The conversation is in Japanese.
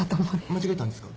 間違えたんですか？